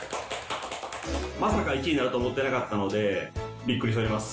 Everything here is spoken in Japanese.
まさか１位になると思ってなかったので、びっくりしております。